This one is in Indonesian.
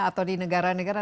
atau di negara negara